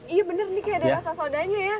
iya bener nih kayaknya ada rasa sodanya ya